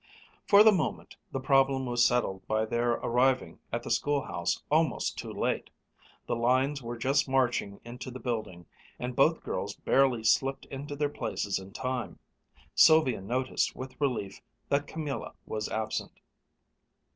For the moment the problem was settled by their arriving at the schoolhouse almost too late. The lines were just marching into the building, and both girls barely slipped into their places in time. Sylvia noticed with relief that Camilla was absent.